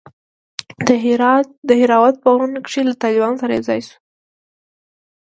د دهراوت په غرونوکښې له طالبانو سره يوځاى سو.